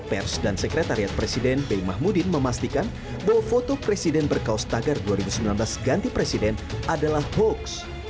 pers dan sekretariat presiden bey mahmudin memastikan bahwa foto presiden berkaos tagar dua ribu sembilan belas ganti presiden adalah hoax